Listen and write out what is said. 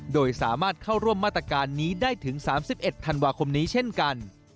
โดยสามารถเข้าร่วมมาตรการนี้ได้ถึง๓๑ธันวาคมนี้เช่นกัน